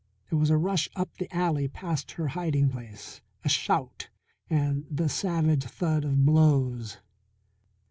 There was a rush up the alley past her hiding place, a shout, and the savage thud of blows.